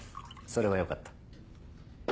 それはよかった。